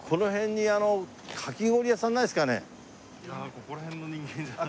ここら辺の人間じゃない？